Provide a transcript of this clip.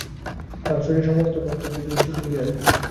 তাহার শরীর-মনের সমস্ত গ্রন্থি যেন শিথিল হইয়া আসিল।